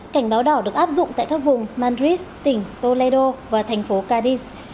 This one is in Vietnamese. cảnh báo đỏ được áp dụng tại các vùng madrid tỉnh toledo và thành phố kadis